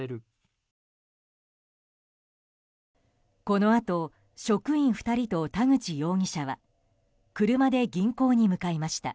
このあと職員２人と田口容疑者は車で銀行に向かいました。